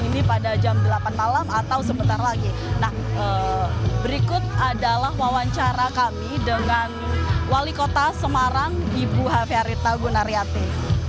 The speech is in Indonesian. nah berikut adalah wawancara kami dengan wali kota semarang ibu haverita gunariate